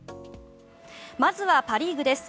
まずはパ・リーグです。